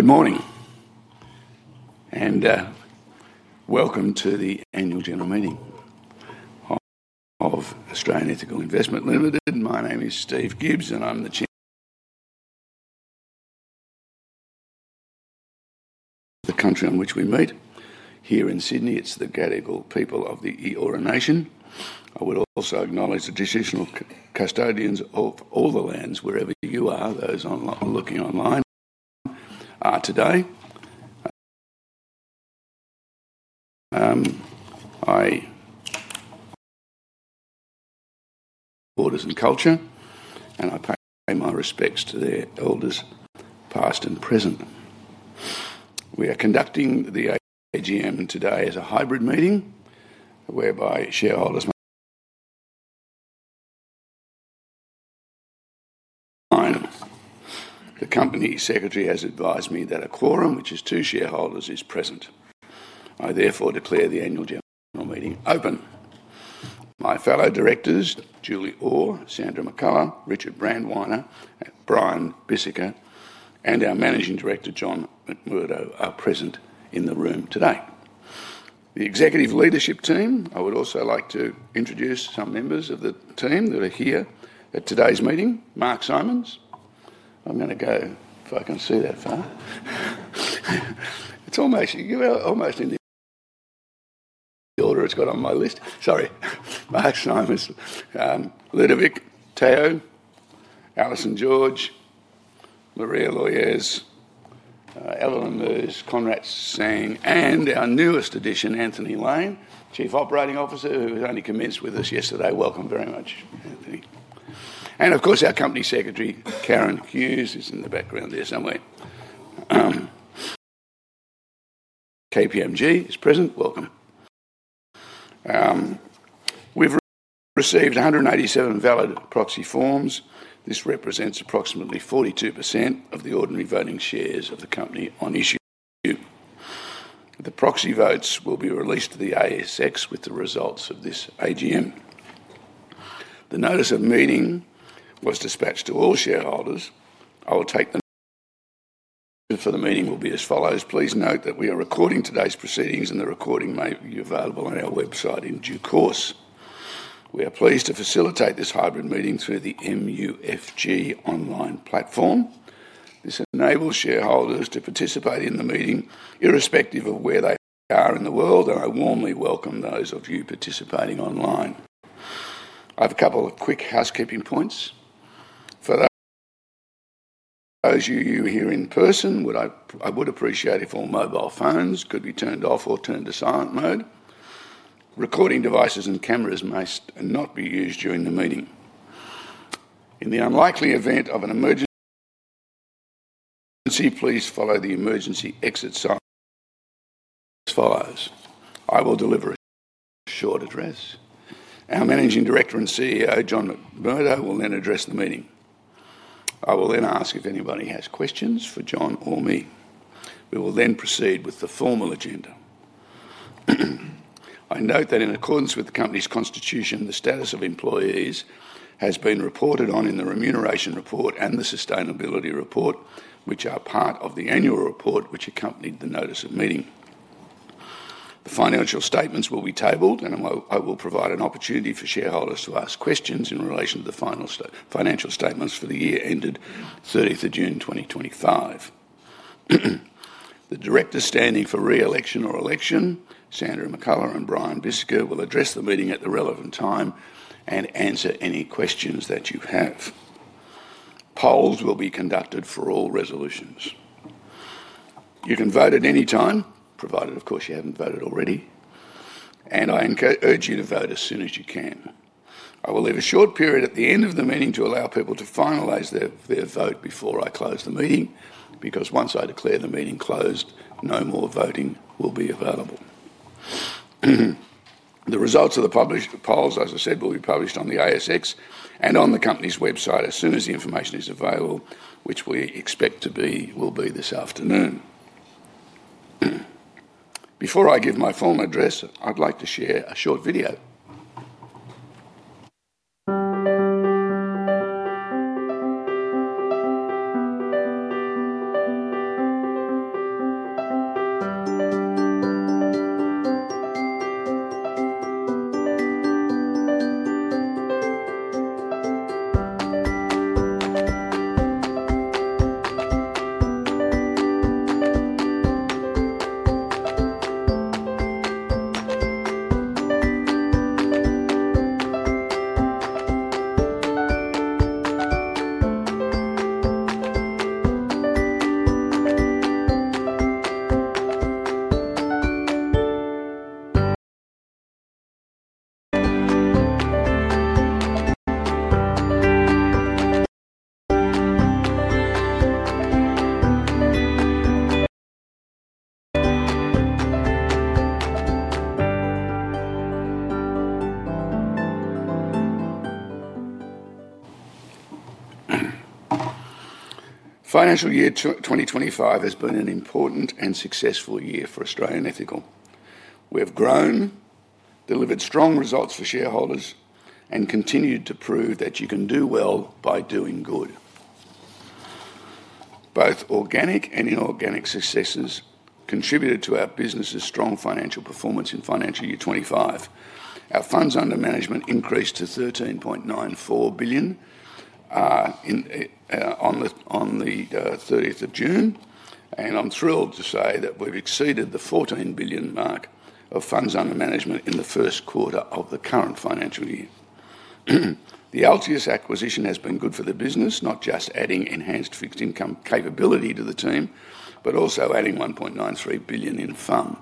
Good morning, and welcome to the Annual General Meeting of Australian Ethical Investment Limited. My name is Steve Gibbs, and I'm the Chair of the Country on which we meet. Here in Sydney, it's the Gadigal people of the Eora Nation. I would also acknowledge the Traditional Custodians of all the lands, wherever you are, those looking online today. I... Borders and Culture, and I pay my respects to their Elders, past and present. We are conducting the AGM today as a hybrid meeting, whereby shareholders... The Company Secretary has advised me that a quorum, which is two shareholders, is present. I therefore declare the annual general meeting open. My fellow Directors, Julie Orr, Sandra McCullagh, Richard Brandweiner, Brian Bissaker, and our Managing Director, John McMurdo, are present in the room today. The executive leadership team, I would also like to introduce some members of the team that are here at today's meeting. Mark Simons, I'm going to go if I can see that far. It's almost in the order it's got on my list. Sorry. Mark Simons, Ludovic Theau, Alison George, Maria Loyez, Eveline Moos, Conrad Tsang, and our newest addition, Anthony Lane, Chief Operating Officer, who was only commenced with us yesterday. Welcome very much, Anthony. Of course, our Company Secretary, Karen Hughes, who's in the background there somewhere. KPMG is present. Welcome. We've received 187 valid proxy forms. This represents approximately 42% of the ordinary voting shares of the company on issue. The proxy votes will be released to the ASX with the results of this AGM. The Notice of Meeting was dispatched to all shareholders. I will take the... For the meeting will be as follows. Please note that we are recording today's proceedings, and the recording may be available on our website in due course. We are pleased to facilitate this hybrid meeting through the MUFG online platform. This enables shareholders to participate in the meeting irrespective of where they are in the world, and I warmly welcome those of you participating online. I have a couple of quick housekeeping points. For those of you here in person, I would appreciate if all mobile phones could be turned off or turned to silent mode. Recording devices and cameras may not be used during the meeting. In the unlikely event of an emergency, please follow the emergency exit sign as follows. I will deliver a short address. Our Managing Director and CEO, John McMurdo, will then address the meeting. I will then ask if anybody has questions for John or me. We will then proceed with the formal agenda. I note that in accordance with the Company's Constitution, the status of employees has been reported on in the Remuneration Report and the Sustainability Report, which are part of the Annual Report which accompanied the Notice of Meeting The financial statements will be tabled, and I will provide an opportunity for shareholders to ask questions in relation to the financial statements for the year ended 30th of June 2025. The Directors standing for re-election or election, Sandra McCullagh and Brian Bissaker, will address the meeting at the relevant time and answer any questions that you have. Polls will be conducted for all resolutions. You can vote at any time, provided, of course, you haven't voted already, and I urge you to vote as soon as you can. I will leave a short period at the end of the meeting to allow people to finalise their vote before I close the meeting, because once I declare the meeting closed, no more voting will be available. The results of the published polls, as I said, will be published on the ASX and on the company's website as soon as the information is available, which we expect will be this afternoon. Before I give my formal address, I'd like to share a short video. Financial Year 2025 has been an important and successful year for Australian Ethical. We have grown, delivered strong results for shareholders, and continued to prove that you can do well by doing good. Both organic and inorganic successes contributed to our business's strong financial performance in Financial Year 2025. Our funds under management increased to 13.94 billion on the 30th of June, and I'm thrilled to say that we've exceeded the 14 billion mark of funds under management in the first quarter of the current financial year. The Altius acquisition has been good for the business, not just adding enhanced fixed income capability to the team, but also adding 1.93 billion in funds.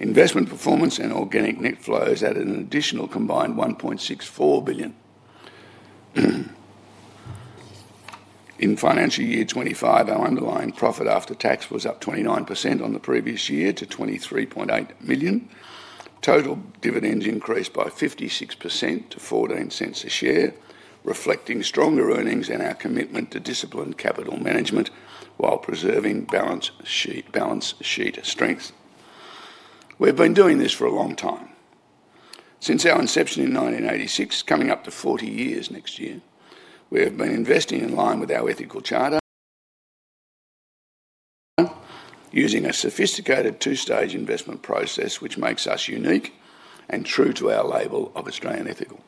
Investment performance and organic net flows added an additional combined 1.64 billion. In Financial Year 2025, our underlying profit after tax was up 29% on the previous year to 23.8 million. Total dividends increased by 56% to 0.14 a share, reflecting stronger earnings and our commitment to disciplined capital management while preserving balance sheet strength. We've been doing this for a long time. Since our inception in 1986, coming up to 40 years next year, we have been investing in line with our ethical charter, using a sophisticated two-stage investment process which makes us unique and true to our label of Australian Ethical.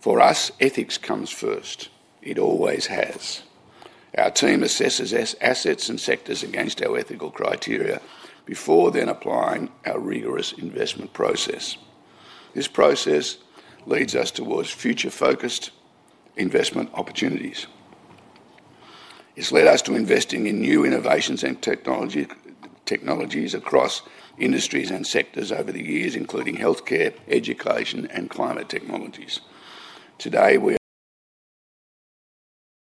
For us, ethics comes first. It always has. Our team assesses assets and sectors against our ethical criteria before then applying our rigorous investment process. This process leads us towards future-focused investment opportunities. It's led us to investing in new innovations and technologies across industries and sectors over the years, including healthcare, education, and climate technologies. Today, we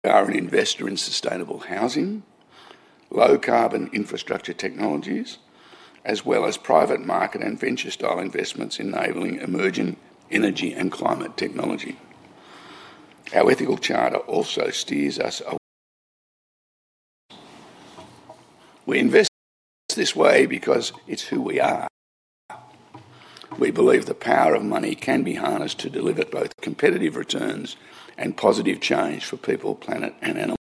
are an investor in sustainable housing, low-carbon infrastructure technologies, as well as private market and venture-style investments enabling emerging energy and climate technology. Our ethical charter also steers us. We invest this way because it's who we are. We believe the power of money can be harnessed to deliver both competitive returns and positive change for people, planet, and animals,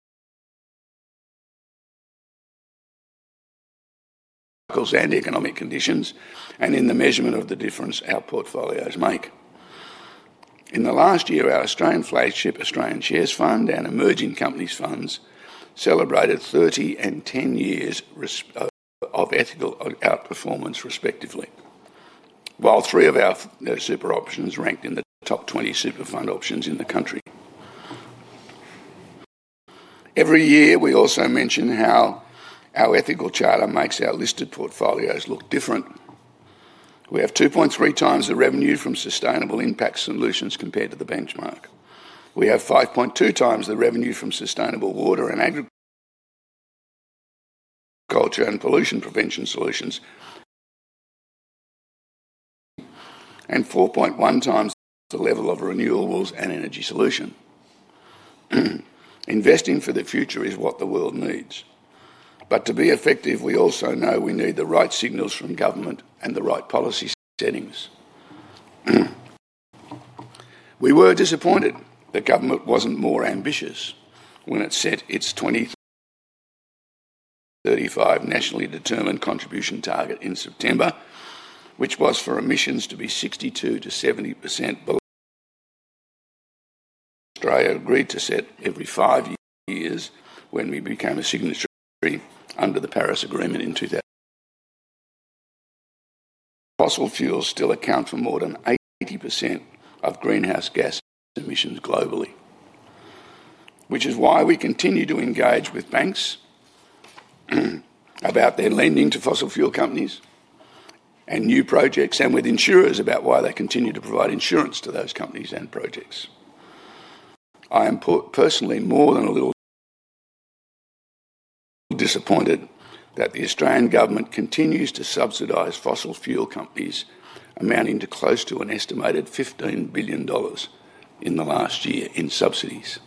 and economic conditions, and in the measurement of the difference our portfolios make. In the last year, our Australian flagship, Australian Shares Fund, and Emerging Companies Fund celebrated 30 and 10 years of ethical outperformance, respectively, while three of our super options ranked in the top 20 super fund options in the country. Every year, we also mention how our ethical charter makes our listed portfolios look different. We have 2.3x the revenue from sustainable impact solutions compared to the benchmark. We have 5.2x the revenue from sustainable water and agriculture and pollution prevention solutions, and 4.1x the level of renewables and energy solution. Investing for the future is what the world needs. To be effective, we also know we need the right signals from government and the right policy settings. We were disappointed the government was not more ambitious when it set its 2035 nationally Determined Contribution target in September, which was for emissions to be 62%–70% below what Australia agreed to set every five years when we became a signatory under the Paris Agreement in 2016. Fossil fuels still account for more than 80% of greenhouse gas emissions globally, which is why we continue to engage with banks about their lending to fossil fuel companies and new projects, and with insurers about why they continue to provide insurance to those companies and projects. I am personally more than a little disappointed that the Australian government continues to subsidize fossil fuel companies amounting to close to an estimated 15 billion dollars in the last year in subsidies.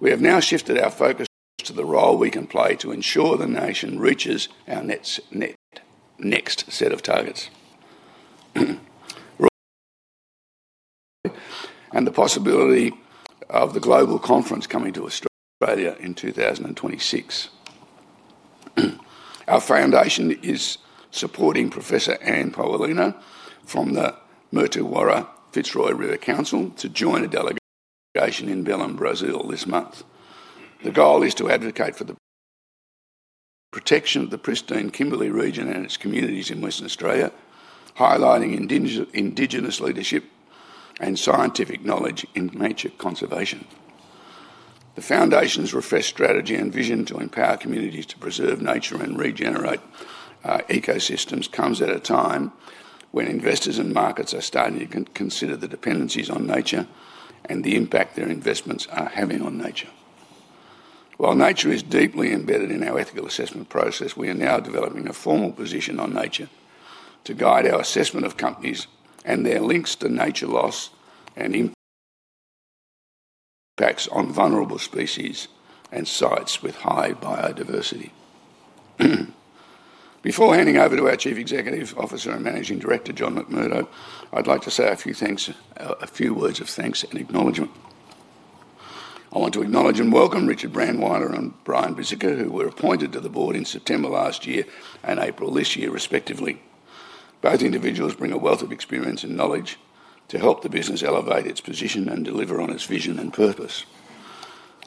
We have now shifted our focus to the role we can play to ensure the nation reaches our next set of targets, and the possibility of the global conference coming to Australia in 2026. Our foundation is supporting Professor Anne Poelina from the Martuwarra Fitzroy River Council to join a delegation in Belém, Brazil, this month. The goal is to advocate for the protection of the pristine Kimberley region and its communities in Western Australia, highlighting Indigenous Leadership and scientific knowledge in nature conservation. The foundation's refreshed strategy and vision to empower communities to preserve nature and regenerate ecosystems comes at a time when investors and markets are starting to consider the dependencies on nature and the impact their investments are having on nature. While nature is deeply embedded in our ethical assessment process, we are now developing a formal position on nature to guide our assessment of companies and their links to nature loss and impacts on vulnerable species and sites with high biodiversity. Before handing over to our Chief Executive Officer and Managing Director, John McMurdo, I'd like to say a few words of thanks and acknowledgement. I want to acknowledge and welcome Richard Brandweiner and Brian Bissaker, who were appointed to the board in September last year and April this year, respectively. Both individuals bring a wealth of experience and knowledge to help the business elevate its position and deliver on its vision and purpose.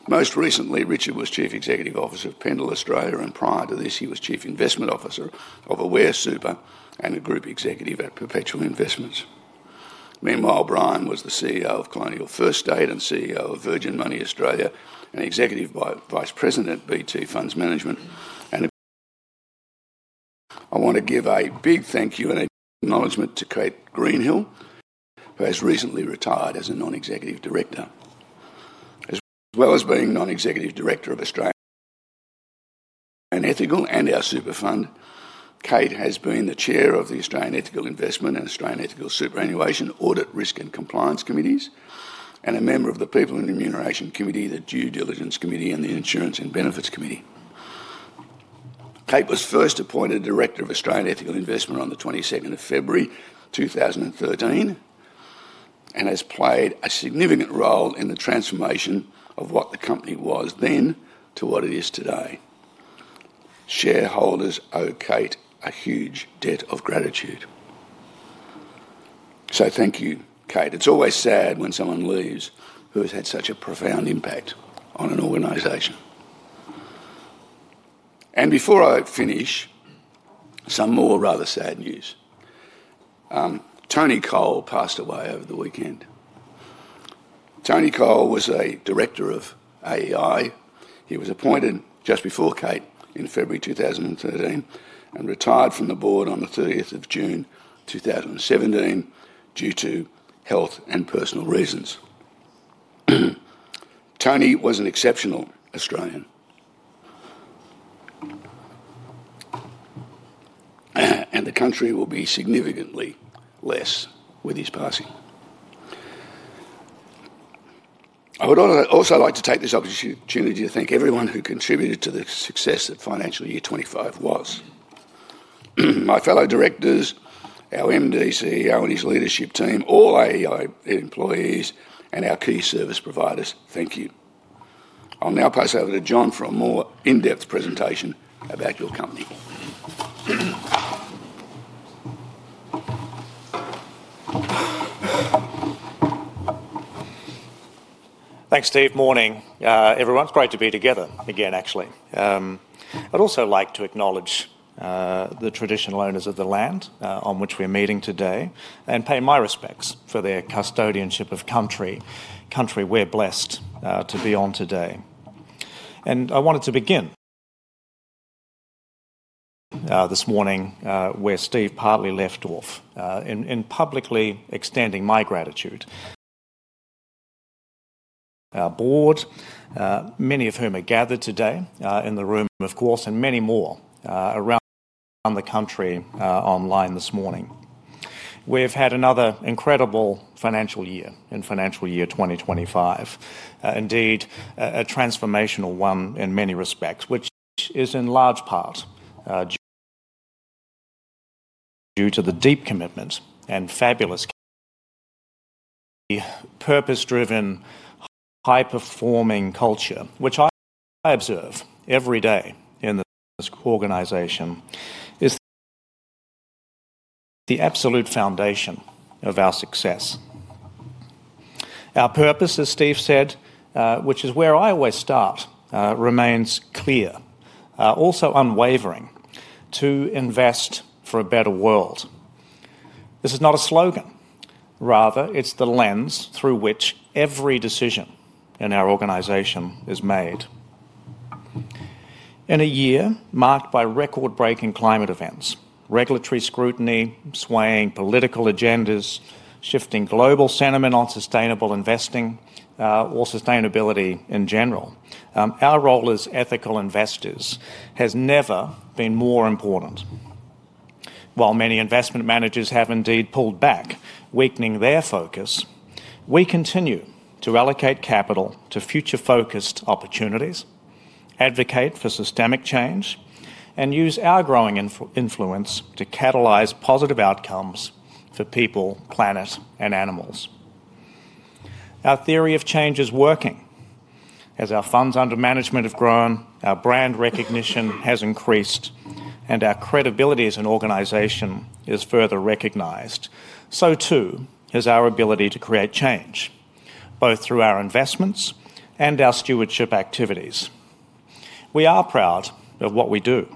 Most recently, Richard was Chief Executive Officer of Pendal Australia, and prior to this, he was Chief Investment Officer of Aware Super and a group executive at Perpetual Investments. Meanwhile, Brian was the CEO of Colonial First State and CEO of Virgin Money Australia, and Executive Vice President of BT Funds Management. I want to give a big thank you and acknowledgement to Kate Greenhill, who has recently retired as a Non-Executive Director. As well as being Non-Executive Director of Australian Ethical and our super fund, Kate has been the Chair of the Australian Ethical Investment and Australian Ethical Superannuation Audit Risk and Compliance Committees, and a member of the People and Remuneration Committee, the Due Diligence Committee, and the Insurance and Benefits Committee. Kate was first appointed Director of Australian Ethical Investment on the 22nd of February, 2013, and has played a significant role in the transformation of what the company was then to what it is today. Shareholders owe Kate a huge debt of gratitude. Thank you, Kate. It's always sad when someone leaves who has had such a profound impact on an organization. Before I finish, some more rather sad news. Tony Cole passed away over the weekend. Tony Cole was a director of AEI. He was appointed just before Kate in February 2013 and retired from the board on the 30th of June, 2017, due to health and personal reasons. Tony was an exceptional Australian, and the country will be significantly less with his passing. I would also like to take this opportunity to thank everyone who contributed to the success that Financial Year 2025 was. My fellow directors, our MDC, our leadership team, all AEI employees, and our key service providers, thank you. I'll now pass over to John for a more in-depth presentation about your company. Thanks, Steve. Morning, everyone. It's great to be together again, actually. I'd also like to acknowledge the traditional owners of the land on which we're meeting today and pay my respects for their custodianship of country, country we're blessed to be on today. I wanted to begin this morning where Steve partly left off in publicly extending my gratitude to our board, many of whom are gathered today in the room, of course, and many more around the country online this morning. We've had another incredible financial year in Financial Year 2025, indeed a transformational one in many respects, which is in large part due to the deep commitment and fabulous purpose-driven, high-performing culture, which I observe every day in this organization, is the absolute foundation of our success. Our purpose, as Steve said, which is where I always start, remains clear, also unwavering, to invest for a better world. This is not a slogan. Rather, it's the lens through which every decision in our organization is made. In a year marked by record-breaking climate events, regulatory scrutiny swaying political agendas, shifting global sentiment on sustainable investing or sustainability in general, our role as ethical investors has never been more important. While many investment managers have indeed pulled back, weakening their focus, we continue to allocate capital to future-focused opportunities, advocate for systemic change, and use our growing influence to catalyze positive outcomes for people, planet, and animals. Our theory of change is working. As our funds under management have grown, our brand recognition has increased, and our credibility as an organization is further recognized, so too is our ability to create change, both through our investments and our stewardship activities. We are proud of what we do,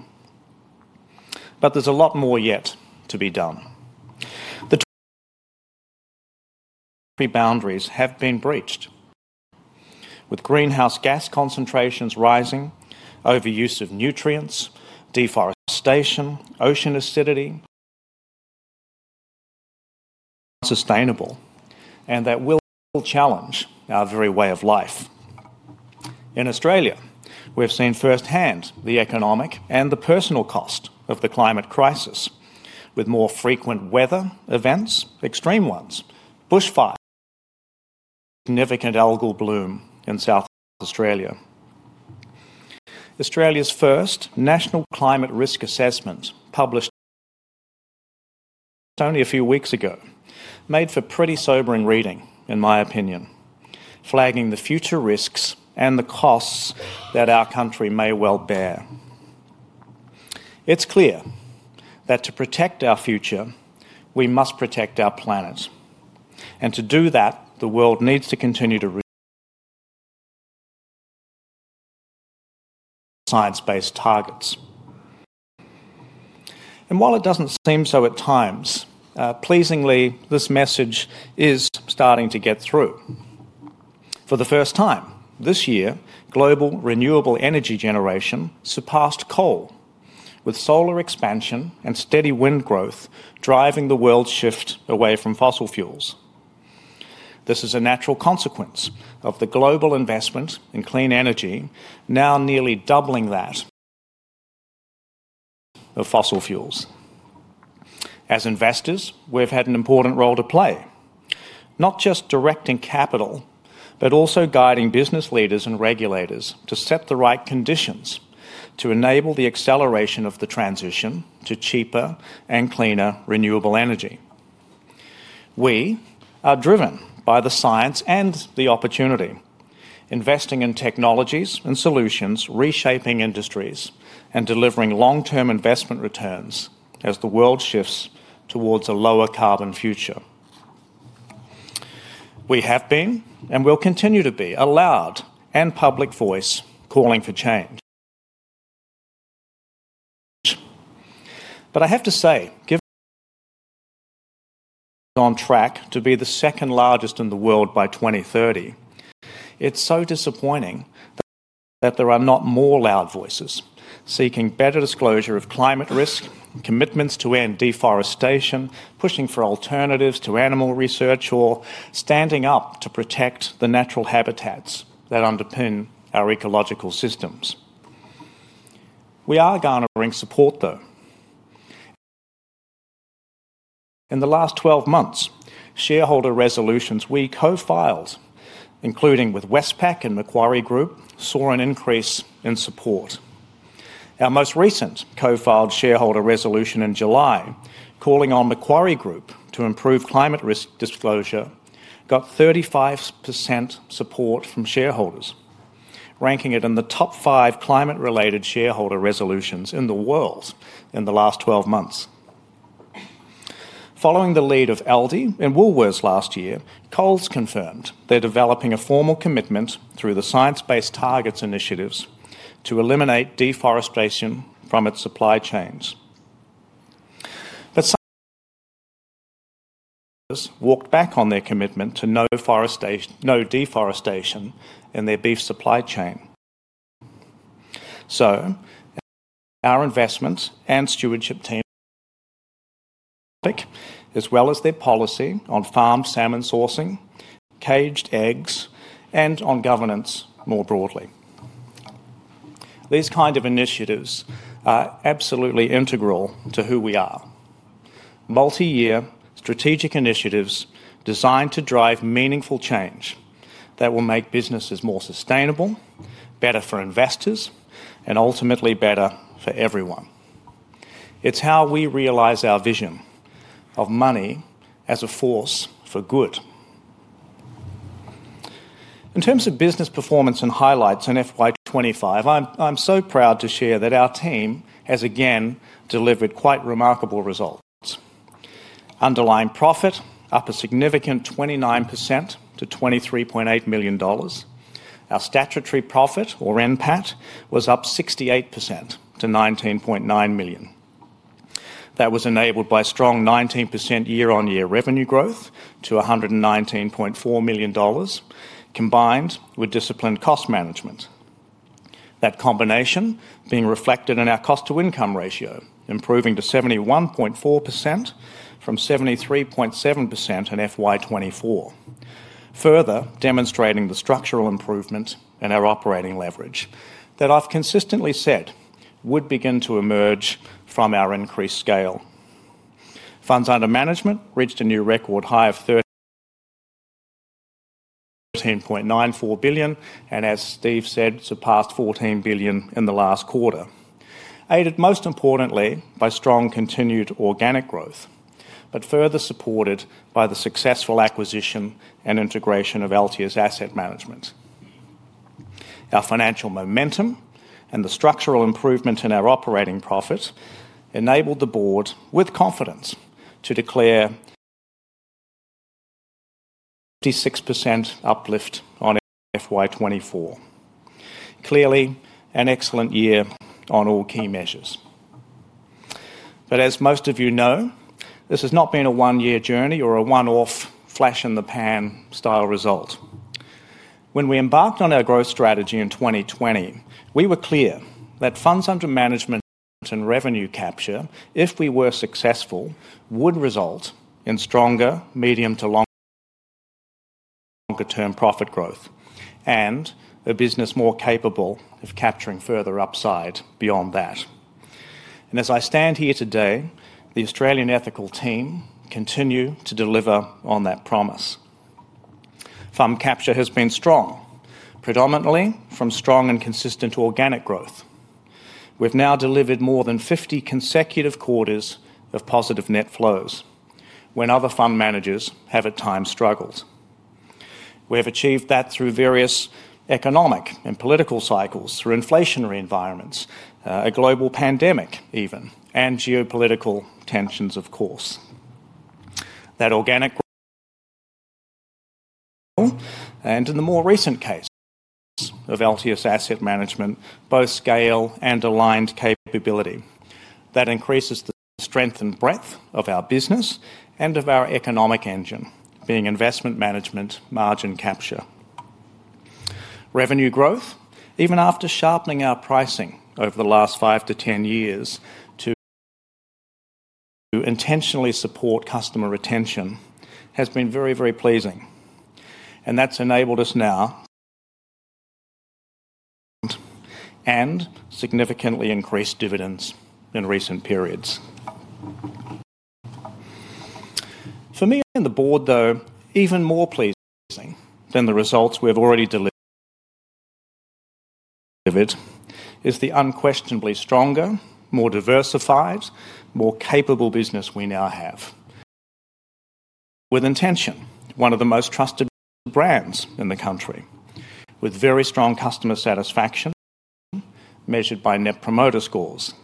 but there's a lot more yet to be done. The boundaries have been breached with greenhouse gas concentrations rising, overuse of nutrients, deforestation, ocean acidity, unsustainable, and that will challenge our very way of life. In Australia, we've seen firsthand the economic and the personal cost of the climate crisis, with more frequent weather events, extreme ones, bushfires, significant algal bloom in South Australia. Australia's first national climate risk assessment, published only a few weeks ago, made for pretty sobering reading, in my opinion, flagging the future risks and the costs that our country may well bear. It's clear that to protect our future, we must protect our planet. To do that, the world needs to continue to reach science-based targets. While it does not seem so at times, pleasingly, this message is starting to get through. For the first time this year, global renewable energy generation surpassed coal, with solar expansion and steady wind growth driving the world's shift away from fossil fuels. This is a natural consequence of the global investment in clean energy, now nearly doubling that of fossil fuels. As investors, we have had an important role to play, not just directing capital, but also guiding business leaders and regulators to set the right conditions to enable the acceleration of the transition to cheaper and cleaner renewable energy. We are driven by the science and the opportunity, investing in technologies and solutions, reshaping industries, and delivering long-term investment returns as the world shifts towards a lower carbon future. We have been and will continue to be a loud and public voice calling for change. I have to say, given we're on track to be the second largest in the world by 2030, it's so disappointing that there are not more loud voices seeking better disclosure of climate risk, commitments to end deforestation, pushing for alternatives to animal research, or standing up to protect the natural habitats that underpin our ecological systems. We are garnering support, though. In the last 12 months, shareholder resolutions we co-filed, including with Westpac and Macquarie Group, saw an increase in support. Our most recent co-filed shareholder resolution in July, calling on Macquarie Group to improve climate risk disclosure, got 35% support from shareholders, ranking it in the top five climate-related shareholder resolutions in the world in the last 12 months. Following the lead of LD and Woolworths last year, Coles confirmed they're developing a formal commitment through the science-based targets initiatives to eliminate deforestation from its supply chains. Some walked back on their commitment to no deforestation in their beef supply chain. Our investments and stewardship team, as well as their policy on farm salmon sourcing, caged eggs, and on governance more broadly. These kinds of initiatives are absolutely integral to who we are: multi-year strategic initiatives designed to drive meaningful change that will make businesses more sustainable, better for investors, and ultimately better for everyone. It's how we realize our vision of money as a force for good. In terms of business performance and highlights in FY 2025, I'm so proud to share that our team has again delivered quite remarkable results. Underlying profit up a significant 29% to $23.8 million. Our statutory profit, or NPAT, was up 68% to $19.9 million. That was enabled by strong 19% year-on-year revenue growth to $119.4 million, combined with disciplined cost management. That combination being reflected in our cost-to-income ratio, improving to 71.4% from 73.7% in FY 2024, further demonstrating the structural improvement in our operating leverage that I've consistently said would begin to emerge from our increased scale. Funds under management reached a new record high of $13.94 billion and, as Steve said, surpassed $14 billion in the last quarter, aided most importantly by strong continued organic growth, but further supported by the successful acquisition and integration of Altius Asset Management. Our financial momentum and the structural improvement in our operating profit enabled the board, with confidence, to declare a 56% uplift on FY 2024. Clearly, an excellent year on all key measures. As most of you know, this has not been a one-year journey or a one-off flash-in-the-pan style result. When we embarked on our growth strategy in 2020, we were clear that funds under management and revenue capture, if we were successful, would result in stronger medium- to longer-term profit growth and a business more capable of capturing further upside beyond that. As I stand here today, the Australian Ethical team continue to deliver on that promise. Fund capture has been strong, predominantly from strong and consistent organic growth. We've now delivered more than 50 consecutive quarters of positive net flows when other fund managers have at times struggled. We have achieved that through various economic and political cycles, through inflationary environments, a global pandemic even, and geopolitical tensions, of course. That organic growth and, in the more recent case, of Altius Asset Management, both scale and aligned capability, that increases the strength and breadth of our business and of our economic engine, being investment management margin capture. Revenue growth, even after sharpening our pricing over the last 5 to 10 years to intentionally support customer retention, has been very, very pleasing. That has enabled us now and significantly increased dividends in recent periods. For me and the board, though, even more pleasing than the results we have already delivered is the unquestionably stronger, more diversified, more capable business we now have. With intention, one of the most trusted brands in the country, with very strong customer satisfaction measured by Net Promoter Scores,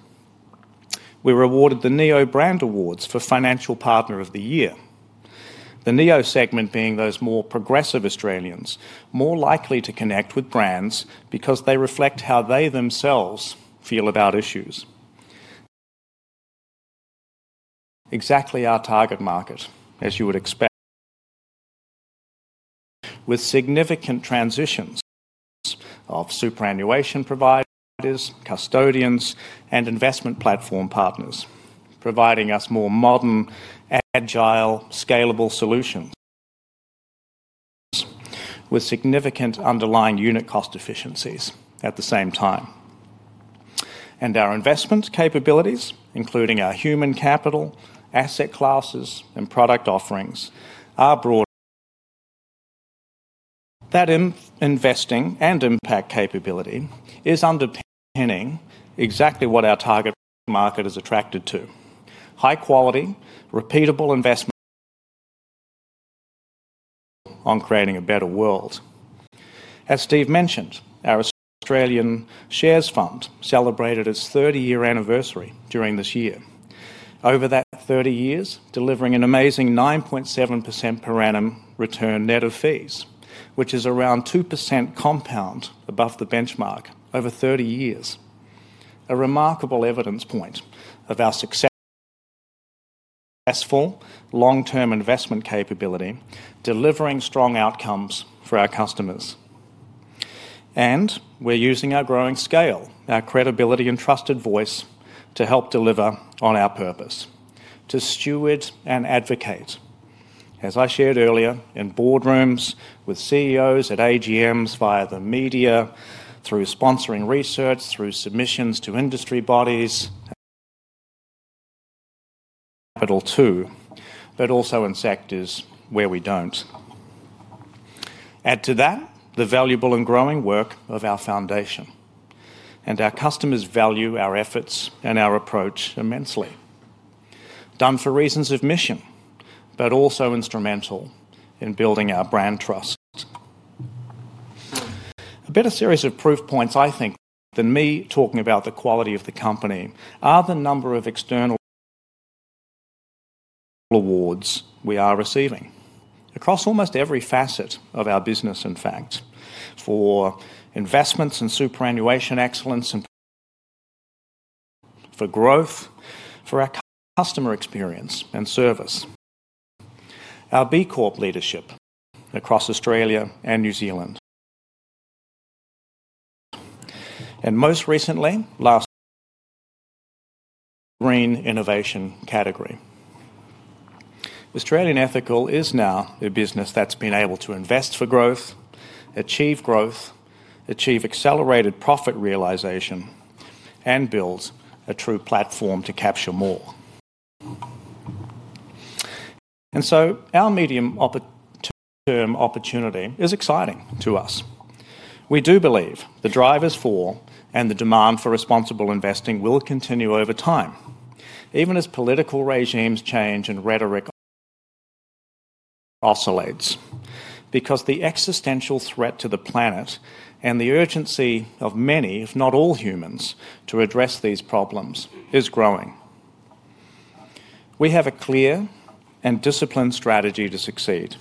we were awarded the Neo Brand Awards for Financial Partner of the Year. The Neo segment being those more progressive Australians more likely to connect with brands because they reflect how they themselves feel about issues. Exactly our target market, as you would expect, with significant transitions of superannuation providers, custodians, and investment platform partners, providing us more modern, agile, scalable solutions with significant underlying unit cost efficiencies at the same time. Our investment capabilities, including our human capital, asset classes, and product offerings, are broad. That investing and impact capability is underpinning exactly what our target market is attracted to: high-quality, repeatable investment on creating a better world. As Steve mentioned, our Australian Shares Fund celebrated its 30-year anniversary during this year. Over that 30 years, delivering an amazing 9.7% per annum return net of fees, which is around 2% compound above the benchmark over 30 years, a remarkable evidence point of our successful long-term investment capability, delivering strong outcomes for our customers. We are using our growing scale, our credibility, and trusted voice to help deliver on our purpose, to steward and advocate, as I shared earlier, in boardrooms with CEOs at AGMs, via the media, through sponsoring research, through submissions to industry bodies and capital too, but also in sectors where we do not. Add to that the valuable and growing work of our foundation. Our customers value our efforts and our approach immensely, done for reasons of mission, but also instrumental in building our brand trust. A better series of proof points, I think, than me talking about the quality of the company are the number of external awards we are receiving across almost every facet of our business, in fact, for investments and superannuation excellence and for growth, for our customer experience and service, our B Corp leadership across Australia and New Zealand, and most recently, last green innovation category. Australian Ethical is now a business that's been able to invest for growth, achieve growth, achieve accelerated profit realization, and build a true platform to capture more. Our medium-term opportunity is exciting to us. We do believe the drivers for and the demand for responsible investing will continue over time, even as political regimes change and rhetoric oscillates, because the existential threat to the planet and the urgency of many, if not all, humans to address these problems is growing. We have a clear and disciplined strategy to succeed.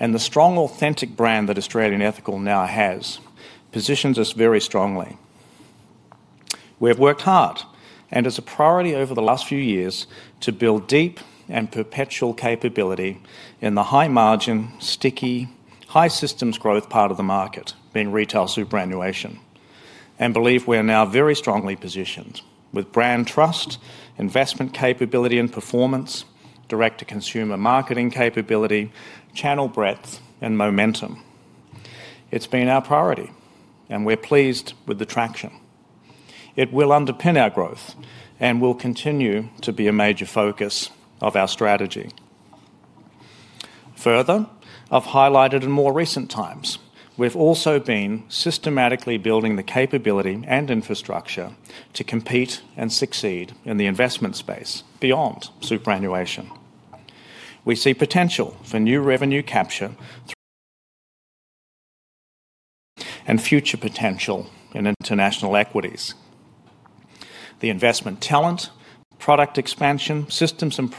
The strong, authentic brand that Australian Ethical now has positions us very strongly. We have worked hard and, as a priority over the last few years, to build deep and perpetual capability in the high-margin, sticky, high-systems growth part of the market, being retail superannuation. I believe we are now very strongly positioned with brand trust, investment capability and performance, direct-to-consumer marketing capability, channel breadth, and momentum. It has been our priority, and we are pleased with the traction. It will underpin our growth and will continue to be a major focus of our strategy. Further, I have highlighted in more recent times, we have also been systematically building the capability and infrastructure to compete and succeed in the investment space beyond superannuation. We see potential for new revenue capture and future potential in international equities. The investment talent, product expansion, systems, and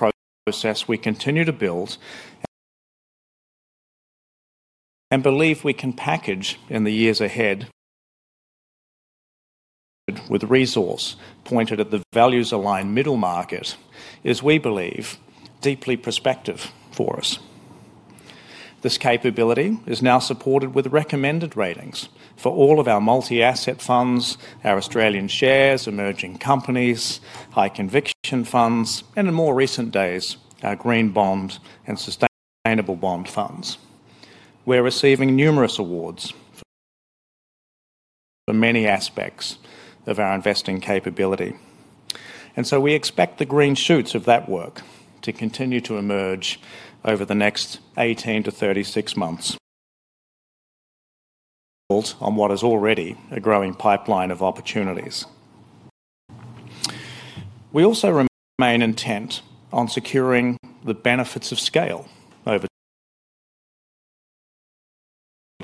process we continue to build and believe we can package in the years ahead with resource pointed at the values-aligned middle market is, we believe, deeply prospective for us. This capability is now supported with recommended ratings for all of our multi-asset funds, our Australian shares, emerging companies, high-conviction funds, and, in more recent days, our Green Bond and Sustainable Bond Funds. We're receiving numerous awards for many aspects of our investing capability. We expect the green shoots of that work to continue to emerge over the next 18-36 months on what is already a growing pipeline of opportunities. We also remain intent on securing the benefits of scale over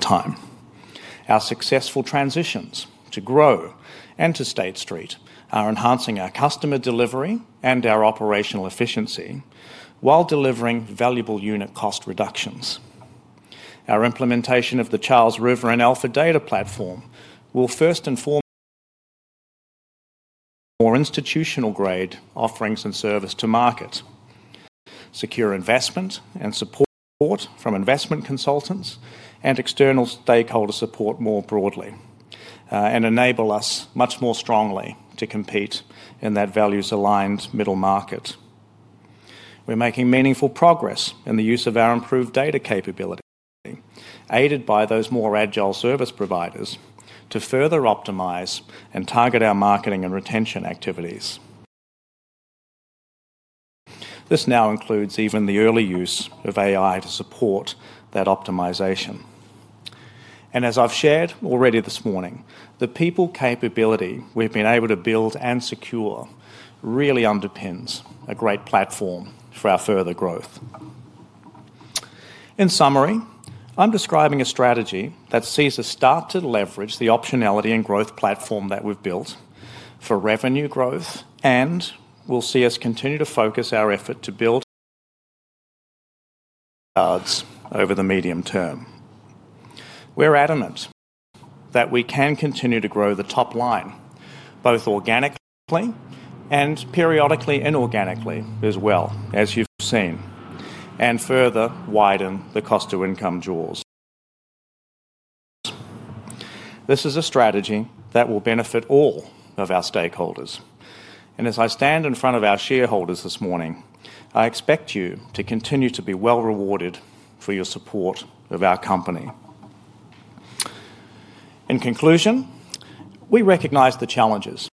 time. Our successful transitions to Grove and to State Street are enhancing our customer delivery and our operational efficiency while delivering valuable unit cost reductions. Our implementation of the Charles River and Alpha Data Platform will first and foremost bring more institutional-grade offerings and service to market, secure investment and support from investment consultants and external stakeholder support more broadly, and enable us much more strongly to compete in that values-aligned middle market. We are making meaningful progress in the use of our improved data capability, aided by those more agile service providers, to further optimize and target our marketing and retention activities. This now includes even the early use of AI to support that optimization. As I have shared already this morning, the people capability we have been able to build and secure really underpins a great platform for our further growth. In summary, I'm describing a strategy that sees us start to leverage the optionality and growth platform that we've built for revenue growth and will see us continue to focus our effort to build over the medium term. We're adamant that we can continue to grow the top line, both organically and periodically inorganically as well, as you've seen, and further widen the cost-to-income draws. This is a strategy that will benefit all of our stakeholders. As I stand in front of our shareholders this morning, I expect you to continue to be well rewarded for your support of our company. In conclusion, we recognize the challenges.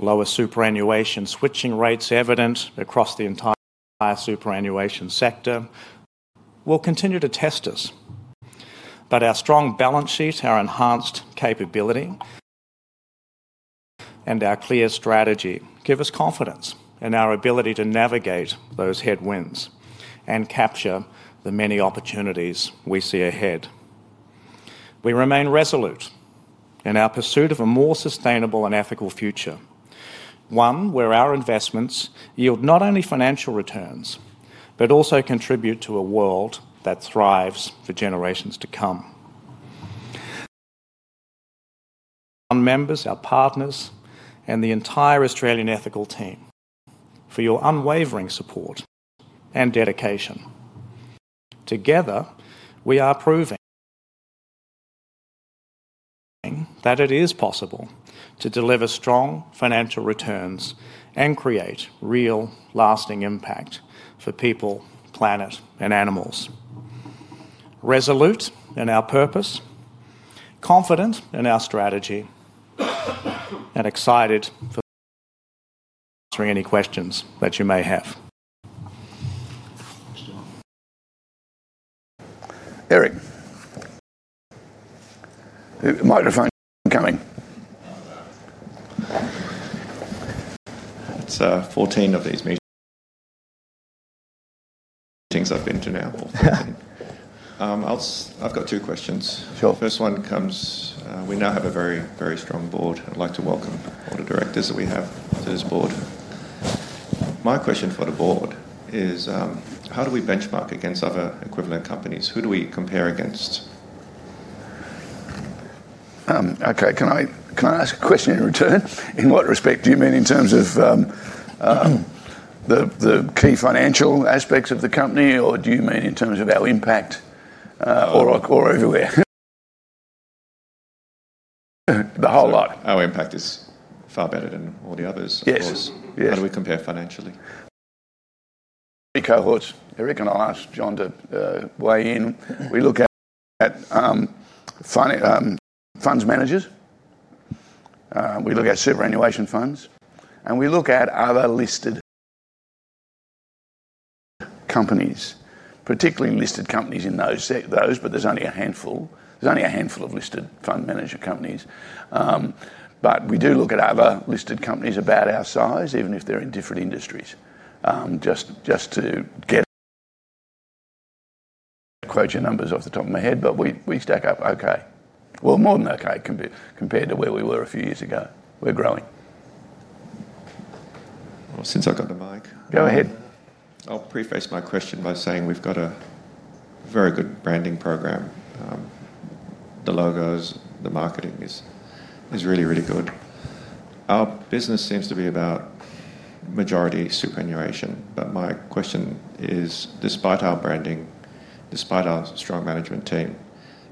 Lower superannuation switching rates evident across the entire superannuation sector will continue to test us. Our strong balance sheet, our enhanced capability, and our clear strategy give us confidence in our ability to navigate those headwinds and capture the many opportunities we see ahead. We remain resolute in our pursuit of a more sustainable and ethical future, one where our investments yield not only financial returns but also contribute to a world that thrives for generations to come. Our members, our partners, and the entire Australian Ethical team, thank you for your unwavering support and dedication. Together, we are proving that it is possible to deliver strong financial returns and create real, lasting impact for people, planet, and animals. Resolute in our purpose, confident in our strategy, and excited for answering any questions that you may have. Eric, microphone coming. It's 14 of these meetings I've been to now. I've got two questions. The first one comes, we now have a very, very strong board. I'd like to welcome all the directors that we have to this board. My question for the board is, how do we benchmark against other equivalent companies? Who do we compare against? Okay. Can I ask a question in return? In what respect? Do you mean in terms of the key financial aspects of the company, or do you mean in terms of our impact or over where? The whole lot. Our impact is far better than all the others. How do we compare financially? Three cohorts. Eric and I asked John to weigh in. We look at funds managers. We look at superannuation funds. And we look at other listed companies, particularly listed companies in those, but there's only a handful. There's only a handful of listed fund manager companies. We do look at other listed companies about our size, even if they're in different industries, just to get quotes and numbers off the top of my head. We stack up okay. More than okay compared to where we were a few years ago. We're growing. Since I've got the mic. Go ahead. I'll preface my question by saying we've got a very good branding program. The logos, the marketing is really, really good. Our business seems to be about majority superannuation. My question is, despite our branding, despite our strong management team,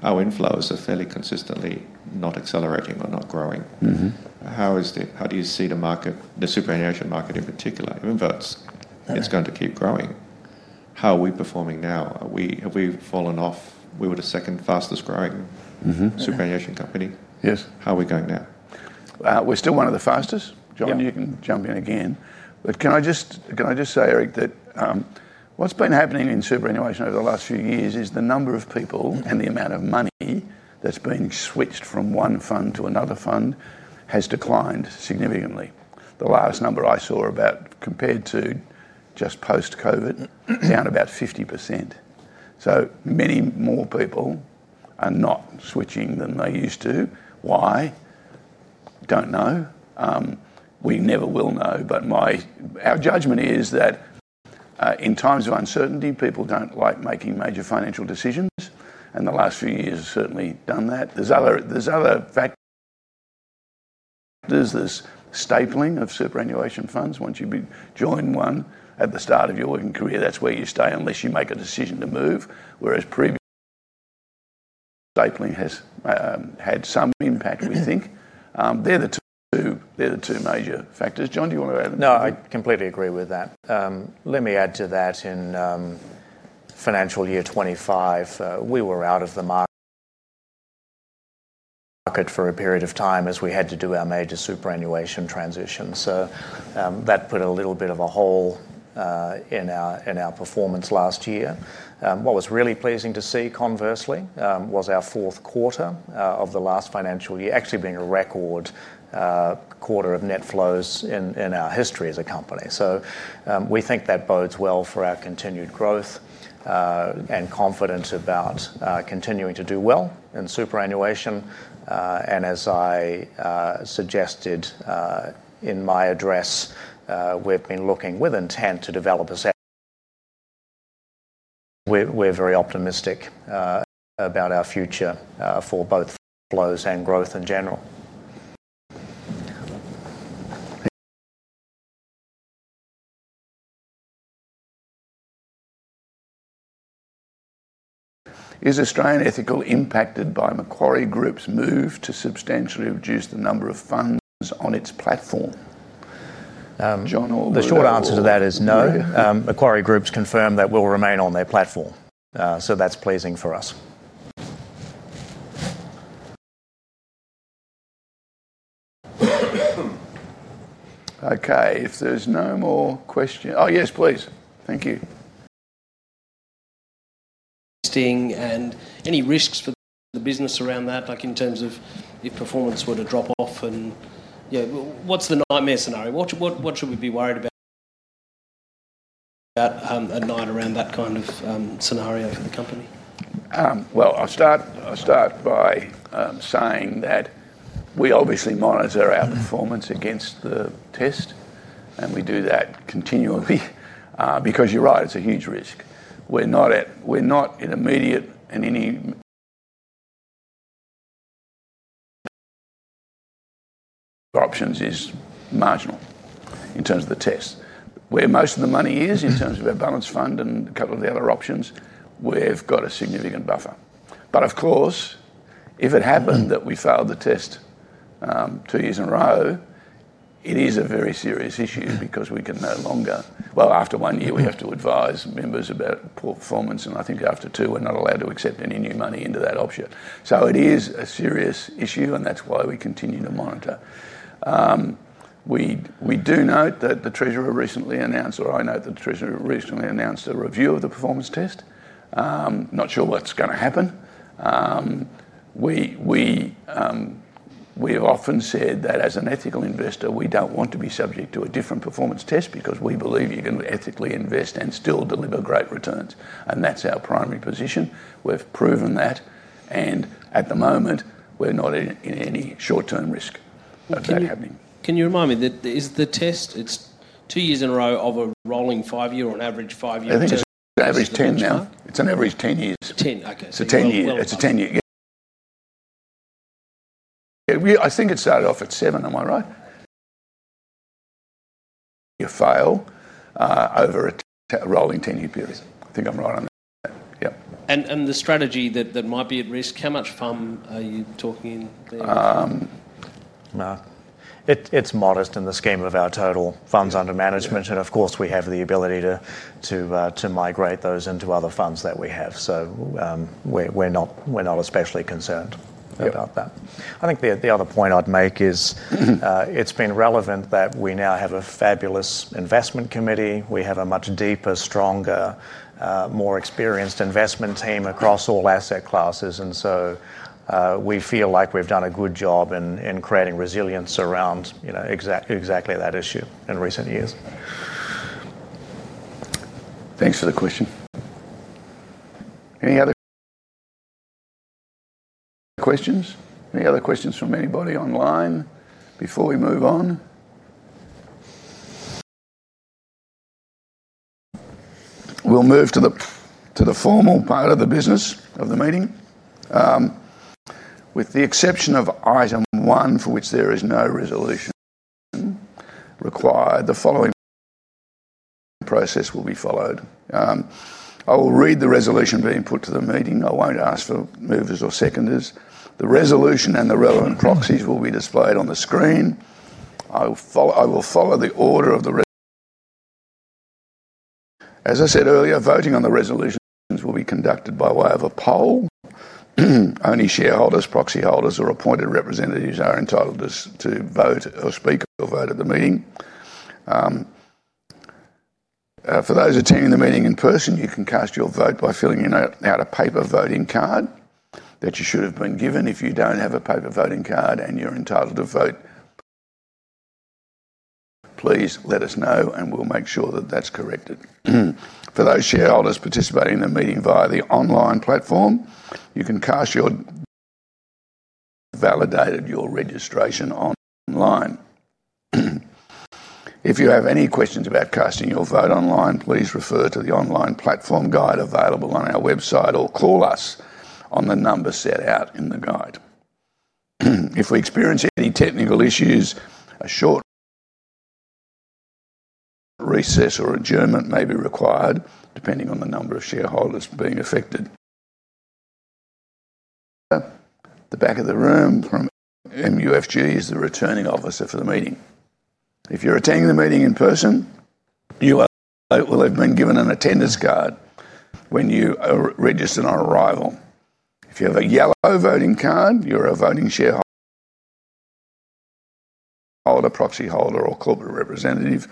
our inflows are fairly consistently not accelerating or not growing. How do you see the market, the superannuation market in particular? It's going to keep growing. How are we performing now? Have we fallen off? We were the second fastest growing superannuation company. How are we going now? We're still one of the fastest. John, you can jump in again. Can I just say, Eric, that what's been happening in superannuation over the last few years is the number of people and the amount of money that's been switched from one fund to another fund has declined significantly. The last number I saw compared to just post-COVID, down about 50%. Many more people are not switching than they used to. Why? Don't know. We never will know. Our judgment is that in times of uncertainty, people don't like making major financial decisions. The last few years have certainly done that. There are other factors. There is stapling of superannuation funds. Once you join one at the start of your working career, that's where you stay unless you make a decision to move. Previous stapling has had some impact, we think. They're the two major factors. John, do you want to add? No, I completely agree with that. Let me add to that. In financial year 2025, we were out of the market for a period of time as we had to do our major superannuation transition. That put a little bit of a hole in our performance last year. What was really pleasing to see, conversely, was our fourth quarter of the last financial year actually being a record quarter of net flows in our history as a company. We think that bodes well for our continued growth and confidence about continuing to do well in superannuation. As I suggested in my address, we've been looking with intent to develop a we're very optimistic about our future for both flows and growth in general. Is Australian Ethical impacted by Macquarie Group's move to substantially reduce the number of funds on its platform? The short answer to that is no. Macquarie Group's confirmed that we'll remain on their platform. So that's pleasing for us. Okay. If there's no more questions oh, yes, please. Thank you. Any risks for the business around that, in terms of if performance were to drop off? And what's the nightmare scenario? What should we be worried about at night around that kind of scenario for the company? I'll start by saying that we obviously monitor our performance against the test. We do that continually because you're right, it's a huge risk. We're not in immediate and any options is marginal in terms of the test. Where most of the money is in terms of our balance fund and a couple of the other options, we've got a significant buffer. Of course, if it happened that we failed the test two years in a row, it is a very serious issue because we can no longer, well, after one year, we have to advise members about performance. I think after two, we are not allowed to accept any new money into that option. It is a serious issue, and that is why we continue to monitor. I note that the treasurer recently announced a review of the performance test. Not sure what is going to happen. We have often said that as an ethical investor, we do not want to be subject to a different performance test because we believe you can ethically invest and still deliver great returns. That is our primary position. We have proven that. At the moment, we are not in any short-term risk of that happening. Can you remind me, that is the test? It's two years in a row of a rolling five-year or an average five-year test? I think it's an average 10 now. It's an average 10 years. 10. Okay. So 10 year. It's a 10-year. I think it started off at 7. Am I right? You fail over a rolling 10-year period. I think I'm right on that. Yeah. The strategy that might be at risk, how much fund are you talking? It's modest in the scheme of our total funds under management. Of course, we have the ability to migrate those into other funds that we have. We're not especially concerned about that. I think the other point I'd make is it's been relevant that we now have a fabulous investment committee. We have a much deeper, stronger, more experienced investment team across all asset classes. We feel like we've done a good job in creating resilience around exactly that issue in recent years. Thanks for the question. Any other questions? Any other questions from anybody online before we move on? We'll move to the formal part of the business of the meeting. With the exception of item one for which there is no resolution required, the following process will be followed. I will read the resolution being put to the meeting. I won't ask for movers or seconders. The resolution and the relevant proxies will be displayed on the screen. I will follow the order of the resolution. As I said earlier, voting on the resolutions will be conducted by way of a poll. Only shareholders, proxy holders, or appointed representatives are entitled to vote or speak or vote at the meeting. For those attending the meeting in person, you can cast your vote by filling out a paper voting card that you should have been given. If you do not have a paper voting card and you are entitled to vote, please let us know, and we will make sure that is corrected. For those shareholders participating in the meeting via the online platform, you can cast your vote once you have validated your registration online. If you have any questions about casting your vote online, please refer to the online platform guide available on our website or call us on the number set out in the guide. If we experience any technical issues, a short recess or adjournment may be required depending on the number of shareholders being affected. The back of the room from MUFG is the returning officer for the meeting. If you're attending the meeting in person, you will have been given an attendance card when you registered on arrival. If you have a yellow voting card, you're a voting shareholder, proxy holder, or corporate representative.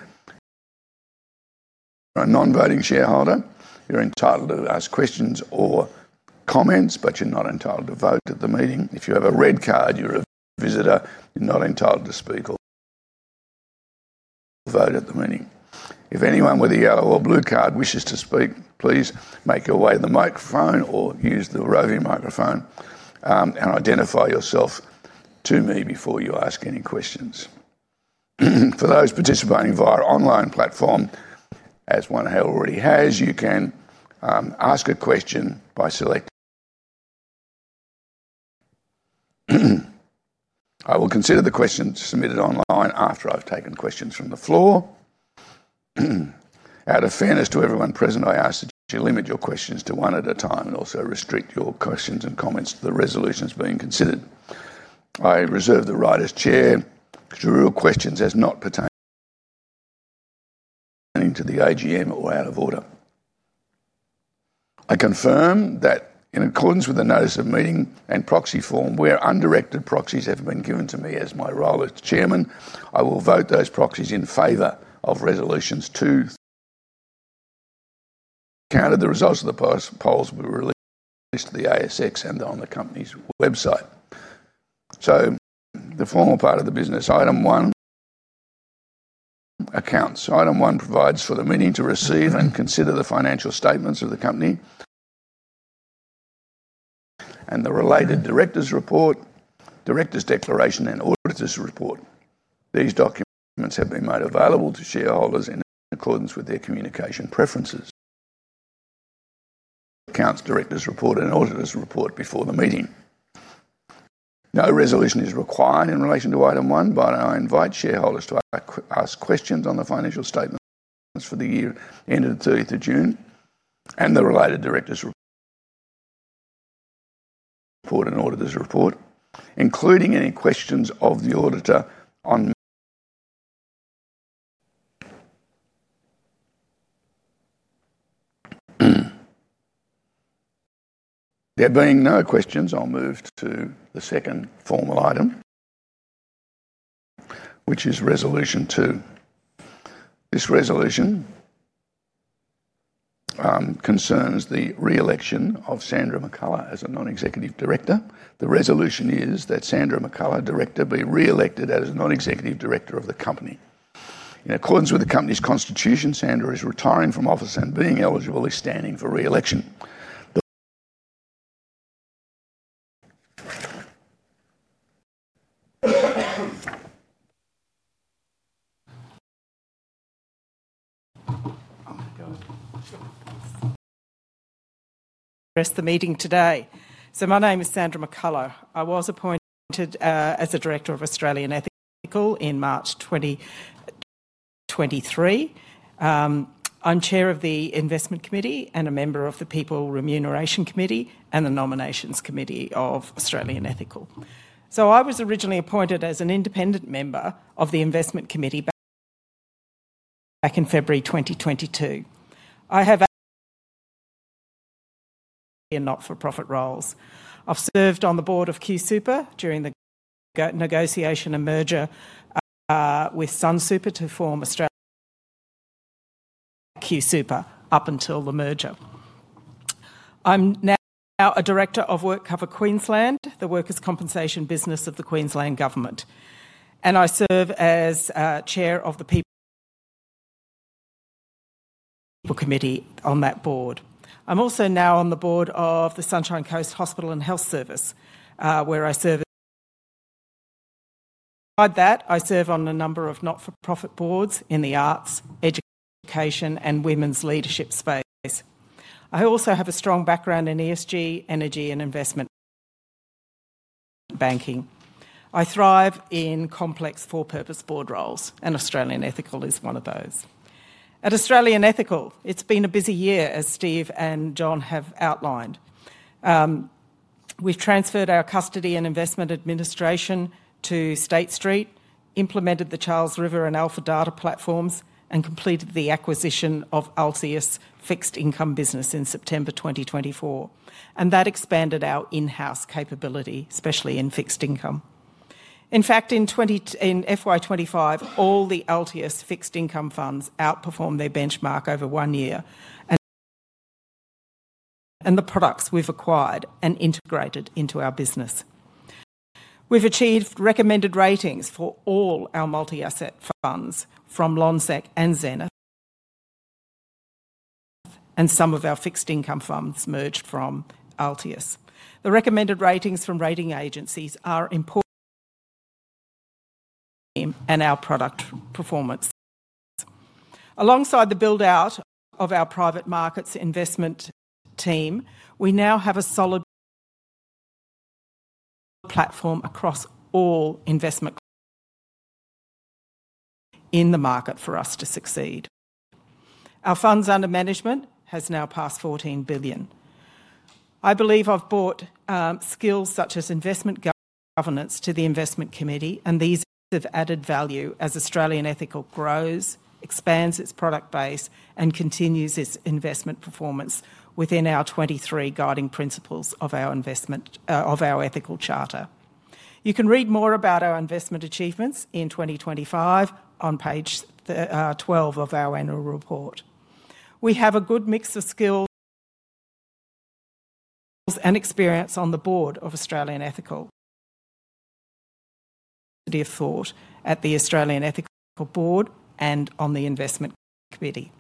A non-voting shareholder, you're entitled to ask questions or comments, but you're not entitled to vote at the meeting. If you have a red card, you're a visitor, you're not entitled to speak or vote at the meeting. If anyone with a yellow or blue card wishes to speak, please make your way to the microphone or use the roving microphone and identify yourself to me before you ask any questions. For those participating via online platform, as one already has, you can ask a question by selecting. I will consider the questions submitted online after I've taken questions from the floor. Out of fairness to everyone present, I ask that you limit your questions to one at a time and also restrict your questions and comments to the resolutions being considered. I reserve the right as Chair. Juror questions as not pertaining to the AGM or out of order. I confirm that in accordance with the notice of meeting and proxy form, where undirected proxies have been given to me as my role as Chairman, I will vote those proxies in favor of resolutions to be counted. The results of the polls were released to the ASX and on the company's website. To the formal part of the business, item one accounts. Item one provides for the meeting to receive and consider the financial statements of the company and the related Directors' Report, Directors' Declaration, and Auditor's Report. These documents have been made available to shareholders in accordance with their communication preferences. Accounts director's report and auditor's report before the meeting. No resolution is required in relation to item one, but I invite shareholders to ask questions on the financial statements for the year ended 30th of June and the related director's report and auditor's report, including any questions of the auditor on. There being no questions, I'll move to the second formal item, which is resolution two. This resolution concerns the re-election of Sandra McCullough as a non-executive director. The resolution is that Sandra McCullagh, director, be re-elected as a non-executive director of the company. In accordance with the company's constitution, Sandra is retiring from office and being eligible, standing for re-election. Address the meeting today. So my name is Sandra McCullagh. I was appointed as a director of Australian Ethical in March 2023. I'm chair of the investment committee and a member of the people remuneration committee and the nominations committee of Australian Ethical. I was originally appointed as an independent member of the investment committee back in February 2022. I have not-for-profit roles. I've served on the board of QSuper during the negotiation and merger with Sunsuper to form QSuper up until the merger. I'm now a director of WorkCover Queensland, the workers' compensation business of the Queensland government. I serve as chair of the people committee on that board. I'm also now on the board of the Sunshine Coast Hospital and Health Service, where I serve. Beside that, I serve on a number of not-for-profit boards in the arts, education, and women's leadership space. I also have a strong background in ESG, energy, and investment banking. I thrive in complex for-purpose board roles, and Australian Ethical is one of those. At Australian Ethical, it's been a busy year, as Steve and John have outlined. We have transferred our custody and investment administration to State Street, implemented the Charles River and Alpha data platforms, and completed the acquisition of Altius Fixed Income Business in September 2024. That expanded our in-house capability, especially in fixed income. In fact, in FY 2025, all the Altius Fixed Income Funds outperformed their benchmark over one year, and the products we have acquired and integrated into our business. We have achieved recommended ratings for all our multi-asset funds from Lonsec and Zenith, and some of our fixed income funds merged from Altius. The recommended ratings from rating agencies are important and our product performance. Alongside the build-out of our private markets investment team, we now have a solid platform across all investment in the market for us to succeed. Our funds under management has now passed $14 billion. I believe I've brought skills such as investment governance to the investment committee, and these have added value as Australian Ethical grows, expands its product base, and continues its investment performance within our 23 guiding principles of our investment of our ethical charter. You can read more about our investment achievements in 2025 on page 12 of our annual report. We have a good mix of skills and experience on the board of Australian Ethical, the thought at the Australian Ethical board and on the investment committee.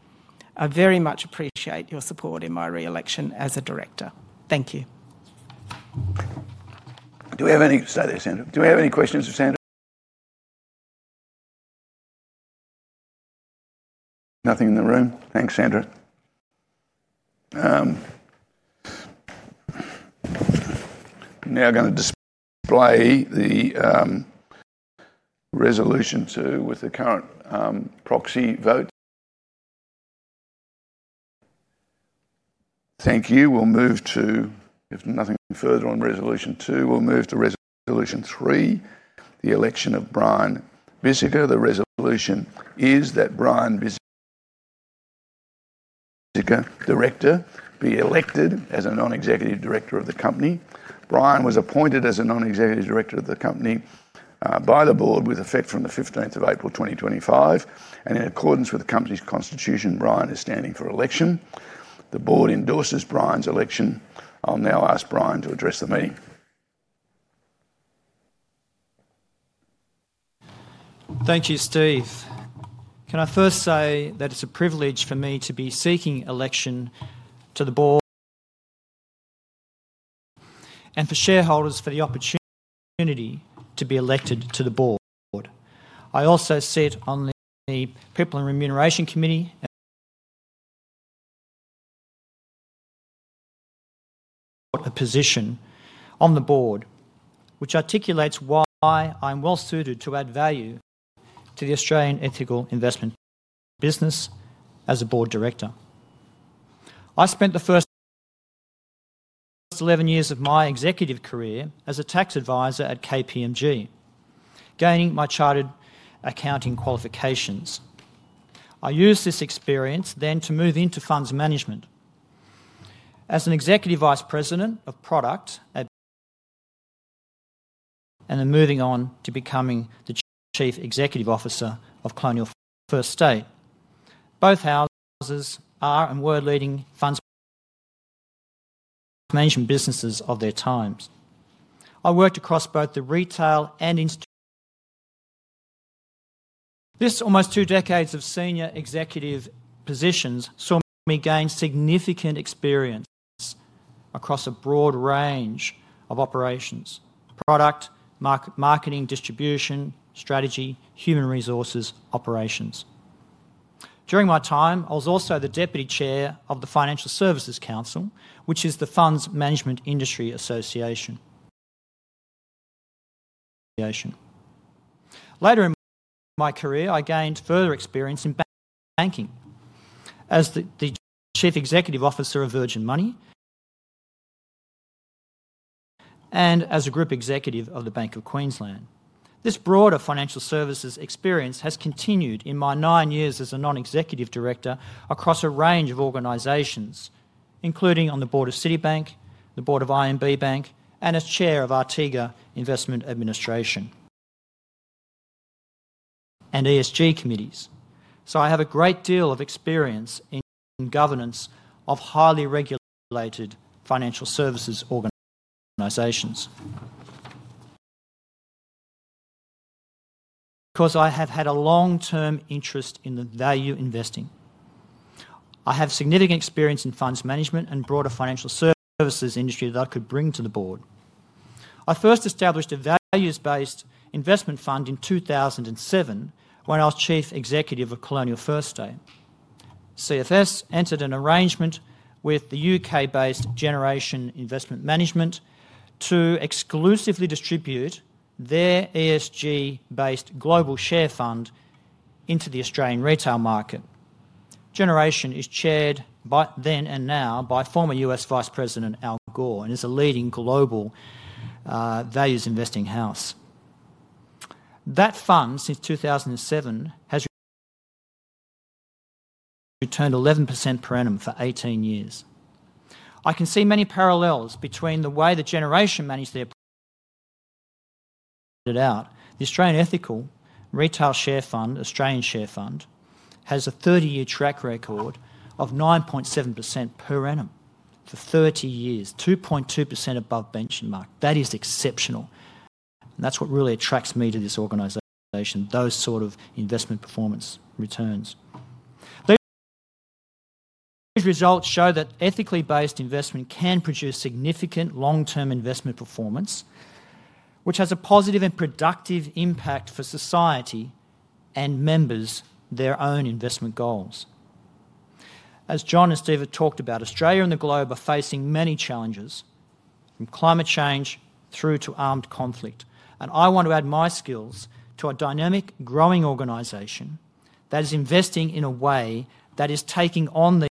I very much appreciate your support in my re-election as a director. Thank you. Do we have any—sorry, Sandra. Do we have any questions for Sandra? Nothing in the room. Thanks, Sandra. Now I'm going to display the resolution two with the current proxy vote. Thank you. If nothing further on resolution two, we'll move to resolution three, the election of Brian Bissaker. The resolution is that Brian Bissaker, director, be elected as a non-executive director of the company. Brian was appointed as a non-executive director of the company by the board with effect from the 15th of April 2025. In accordance with the company's constitution, Brian is standing for election. The board endorses Brian's election. I'll now ask Brian to address the meeting. Thank you, Steve. Can I first say that it's a privilege for me to be seeking election to the board and for shareholders for the opportunity to be elected to the board? I also sit on the People and Remuneration Committee, a position on the board which articulates why I'm well suited to add value to the Australian Ethical Investment business as a board director. I spent the first 11 years of my executive career as a tax advisor at KPMG, gaining my chartered accounting qualifications. I used this experience then to move into funds management as an executive vice president of product and then moving on to becoming the Chief Executive Officer of Colonial First State. Both houses are and were leading funds management businesses of their times. I worked across both the retail and institutions. This almost two decades of senior executive positions saw me gain significant experience across a broad range of operations: product, marketing, distribution, strategy, human resources, operations. During my time, I was also the Deputy Chair of the Financial Services Council, which is the funds management industry association. Later in my career, I gained further experience in banking as the Chief Executive Officer of Virgin Money and as a Group Executive of the Bank of Queensland. This broader financial services experience has continued in my nine years as a non-executive director across a range of organizations, including on the board of Citibank, the board of IMB Bank, and as Chair of Artiga Investment Administration and ESG committees. I have a great deal of experience in governance of highly regulated financial services organizations. Of course, I have had a long-term interest in value investing. I have significant experience in funds management and broader financial services industry that I could bring to the board. I first established a values-based investment fund in 2007 when I was Chief Executive of Colonial First State. CFS entered an arrangement with the U.K.-based Generation Investment Management to exclusively distribute their ESG-based global share fund into the Australian retail market. Generation is chaired then and now by former U.S. Vice President Al Gore and is a leading global values investing house. That fund, since 2007, has returned 11% per annum for 18 years. I can see many parallels between the way that Generation managed their it out. The Australian Ethical Retail Share Fund, Australian Share Fund, has a 30-year track record of 9.7% per annum for 30 years, 2.2% above benchmark. That is exceptional. That is what really attracts me to this organization, those sort of investment performance returns. These results show that ethically based investment can produce significant long-term investment performance, which has a positive and productive impact for society and members' own investment goals. As John and Steve have talked about, Australia and the globe are facing many challenges, from climate change through to armed conflict. I want to add my skills to a dynamic, growing organization that is investing in a way that is taking on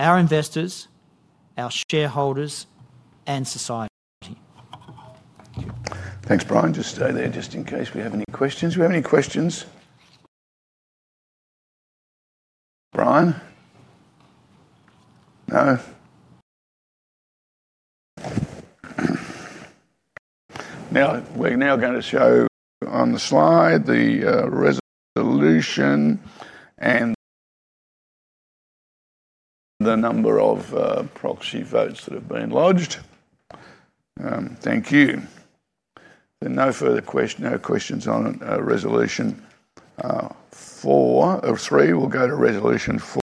our investors, our shareholders, and society. Thanks, Brian. Just stay there just in case we have any questions. Do we have any questions? Brian? No? We are now going to show on the slide the resolution and the number of proxy votes that have been lodged. Thank you. There are no further questions on resolution four or three. We will go to resolution four,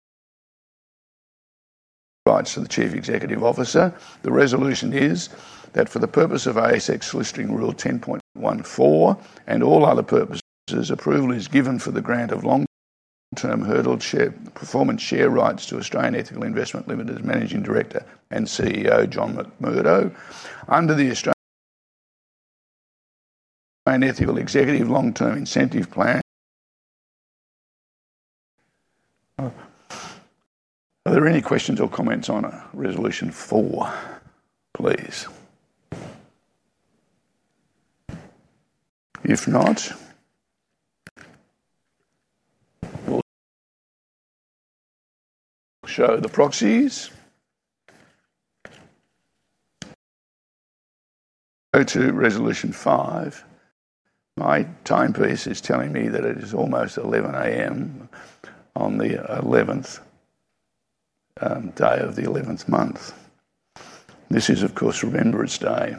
rights to the Chief Executive Officer. The resolution is that for the purpose of ASX listing rule 10.14 and all other purposes, approval is given for the grant of long-term hurdled performance share rights to Australian Ethical Investment Limited's Managing Director and CEO, John McMurdo, under the Australian Ethical Executive Long-Term Incentive Plan. Are there any questions or comments on resolution four? Please. If not, we'll show the proxies. Go to resolution five. My timepiece is telling me that it is almost 11:00 A.M. on the 11th day of the 11th month. This is, of course, Remembrance Day.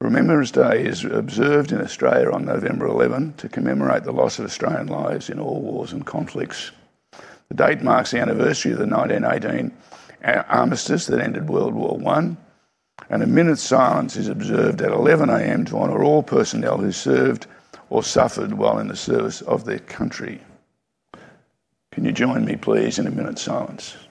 Remembrance Day is observed in Australia on November 11 to commemorate the loss of Australian lives in all wars and conflicts. The date marks the anniversary of the 1918 armistice that ended World War I. A minute's silence is observed at 11:00 A.M. to honor all personnel who served or suffered while in the service of their country. Can you join me, please, in a minute's silence? We'll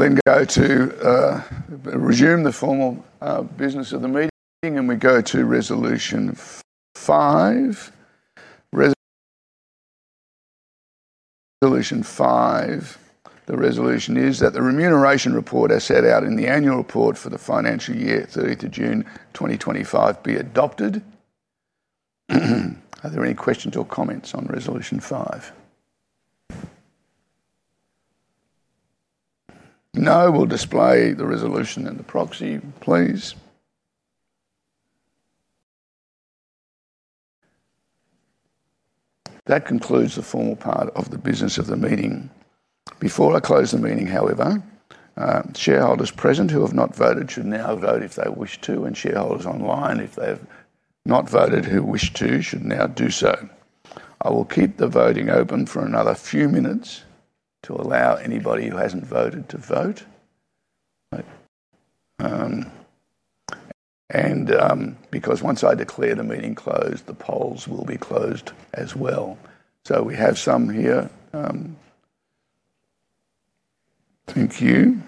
then go to resume the formal business of the meeting, and we go to resolution five. Resolution five. The resolution is that the remuneration report as set out in the annual report for the financial year ending 30th of June 2025 be adopted. Are there any questions or comments on resolution five? No? We'll display the resolution and the proxy, please. That concludes the formal part of the business of the meeting. Before I close the meeting, however, shareholders present who have not voted should now vote if they wish to, and shareholders online, if they have not voted and wish to, should now do so. I will keep the voting open for another few minutes to allow anybody who hasn't voted to vote. Once I declare the meeting closed, the polls will be closed as well. We have some here. Thank you.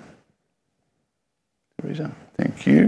There is a thank you.